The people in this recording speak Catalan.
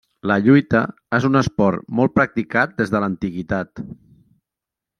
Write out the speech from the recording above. La lluita és un esport molt practicat des de l'antiguitat.